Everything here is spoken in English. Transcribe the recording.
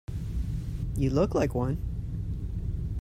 You look like one.